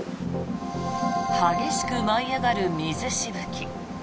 激しく舞い上がる水しぶき。